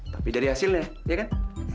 tapi dari hasilnya iya kan